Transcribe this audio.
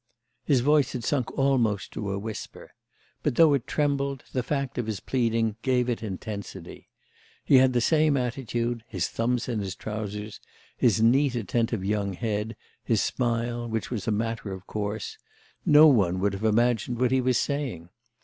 His voice had sunk almost to a whisper, but, though it trembled, the fact of his pleading gave it intensity. He had the same attitude, his thumbs in his trousers, his neat attentive young head, his smile, which was a matter of course; no one would have imagined what he was saying.